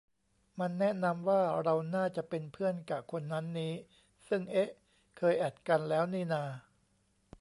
มันแนะนำว่าเราน่าจะเป็นเพื่อนกะคนนั้นนี้ ซึ่ง เอ๊ะ เคยแอดกันแล้วนี่นา